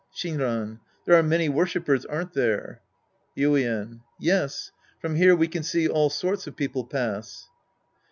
Shinran. There are many worshipers, aren't there? Yuien. Yes. From here we can see all sorts of people pass.